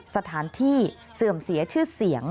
สถานที่เสื่อมเสียชื่อเสียง